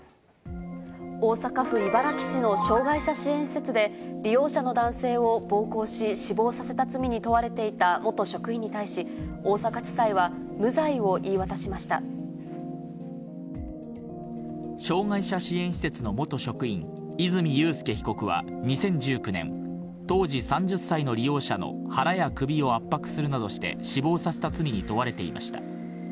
大阪府茨木市の障がい者支援施設で、利用者の男性を暴行し、死亡させた罪に問われていた元職員に対し、大阪地裁は無罪を言い障がい者支援施設の元職員、伊住祐輔被告は２０１９年、当時３０歳の利用者の腹や首を圧迫するなどして、死亡させた罪に問われていました。